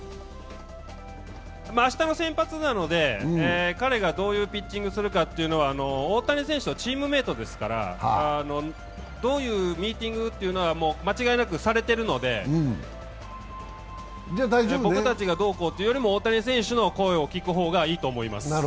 明日の先発なので、彼がどういうピッチングするかは大谷選手のチームメートですから、どういうミーティングというのは間違いなくされてるので、僕たちがどうこうというよりも大谷選手の声を聞くほうがいいと思います。